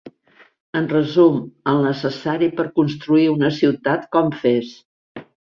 En resum, el necessari per construir una ciutat com Fes.